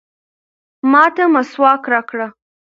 ما ته مسواک راکړه.